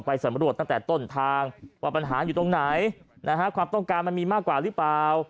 สำรวจตั้งแต่ต้นทางว่าปัญหาอยู่ตรงไหนนะฮะความต้องการมันมีมากกว่าหรือเปล่า